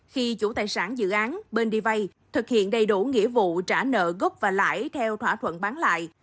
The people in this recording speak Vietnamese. khi chủ tài sản dự án bên đi vay thực hiện đầy đủ nghĩa vụ trả nợ gốc và lãi theo thỏa thuận bán lại